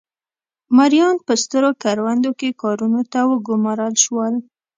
مریان په سترو کروندو کې کارونو ته وګومارل شول.